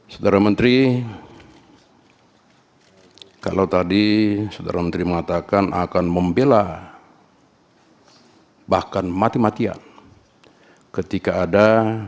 saudara menteri kalau tadi saudara menteri mengatakan akan membela bahkan mati matian ketika ada